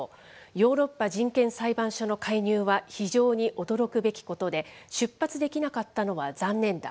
ヨーロッパ人権裁判所の介入は非常に驚くべきことで、出発できなかったのは残念だ。